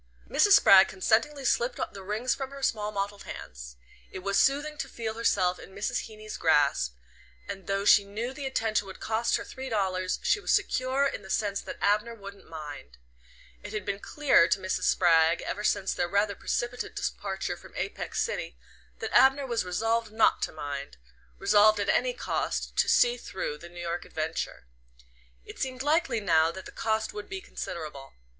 Mrs. Spragg consentingly slipped the rings from her small mottled hands. It was soothing to feel herself in Mrs. Heeny's grasp, and though she knew the attention would cost her three dollars she was secure in the sense that Abner wouldn't mind. It had been clear to Mrs. Spragg, ever since their rather precipitate departure from Apex City, that Abner was resolved not to mind resolved at any cost to "see through" the New York adventure. It seemed likely now that the cost would be considerable.